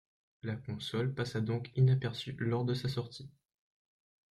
La console passa donc inaperçue lors de sa sortie.